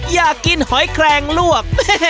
อยากกินหอยแครงลวก